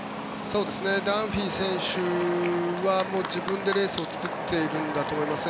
ダンフィー選手は自分でレースを作っているんだと思いますね。